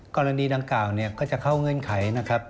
กรณีดังกล่าวก็จะเข้าเงื่อนไข